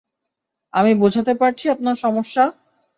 আমি বোঝতে পারছি আপনার সমস্যা।